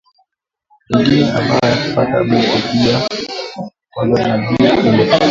Bengine abaya pata bintu bia kwanza nabio kurima